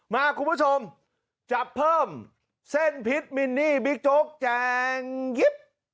คุณผู้ชมจับเพิ่มเส้นพิษมินนี่บิ๊กโจ๊กแจงยิบ